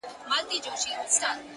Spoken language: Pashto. په ساز جوړ وم، له خدايه څخه ليري نه وم